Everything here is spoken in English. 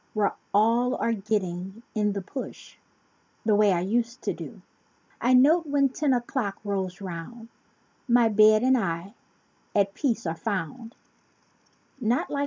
Where all are getting "in the push," The way I used to do. I note when ten o'clock rolls 'round My bed and I at peace are found— Not like w?